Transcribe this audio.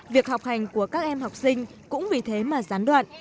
việc học hành của các em học sinh cũng vì thế mà gián đoạn